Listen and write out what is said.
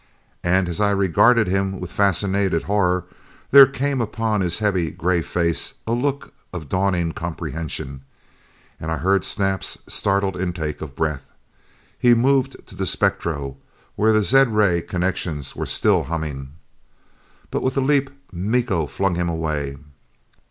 And as I regarded him with fascinated horror, there came upon his heavy gray face a look of dawning comprehension. And I heard Snap's startled intake of breath. He moved to the spectro, where the zed ray connections were still humming. But, with a leap, Miko flung him away.